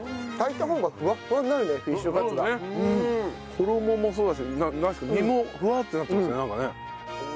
衣もそうだし身もふわってなってますねなんかね。